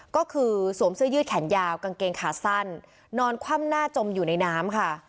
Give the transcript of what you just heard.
ก็คือสวมเสื้อยืดแขนยาวกางเกงขาสั้นนอนคว่ำหน้าจมอยู่ในน้ำค่ะ